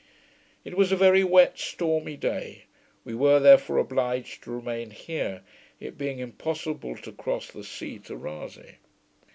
It was a very wet stormy day; we were therefore obliged to remain here, it being impossible to cross the sea to Rasay.